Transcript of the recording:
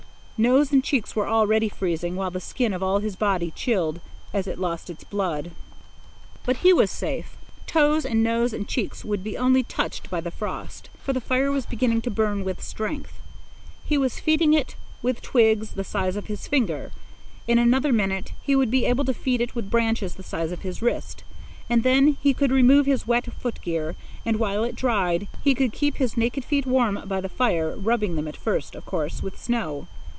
Nose and cheeks were already freezing, while the skin of all his body chilled as it lost its blood. But he was safe. Toes and nose and cheeks would be only touched by the frost, for the fire was beginning to burn with strength. He was feeding it with twigs the size of his finger. In another minute he would be able to feed it with branches the size of his wrist, and then he could remove his wet foot gear, and, while it dried, he could keep his naked feet warm by the fire, rubbing them at first, of course, with snow.